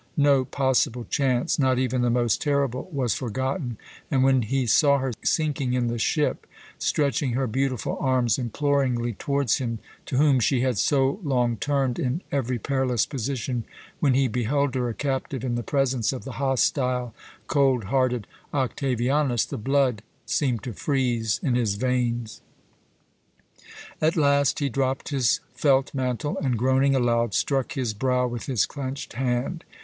No possible chance, not even the most terrible, was forgotten, and when he saw her sinking in the ship, stretching her beautiful arms imploringly towards him, to whom she had so long turned in every perilous position, when he beheld her a captive in the presence of the hostile, cold hearted Octavianus, the blood seemed to freeze in his veins. At last he dropped his felt mantle and, groaning aloud, struck his brow with his clenched hand.